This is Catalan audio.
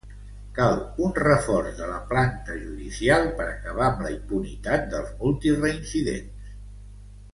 Cal un reforç de la planta judicial per acabar amb la impunitat dels multireincidents